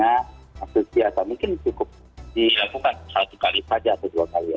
apa namanya asusia atau mungkin cukup dilakukan satu kali saja atau dua kali ya